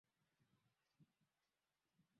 Kwetu, ntakubeba kwetu